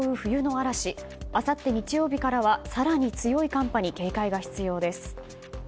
あさって日曜日からは更に強い寒波に警戒が必要です。